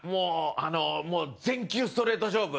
もう、全球ストレート勝負。